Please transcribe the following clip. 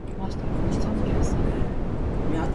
Մասնագիտությամբ կենսաբան է։